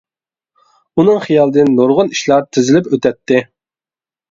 ئۇنىڭ خىيالىدىن نۇرغۇن ئىشلار تىزىلىپ ئۆتەتتى.